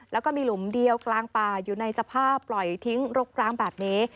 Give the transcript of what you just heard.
แล้วก็มีหลุมเดียวกลางป่าอยู่ในสภาพปล่อยทิ้งรกร้างแบบนี้